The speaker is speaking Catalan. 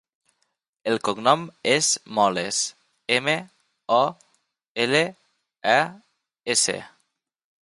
El cognom és Moles: ema, o, ela, e, essa.